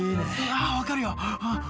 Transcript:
あ分かるよ。